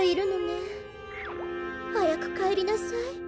はやくかえりなさい。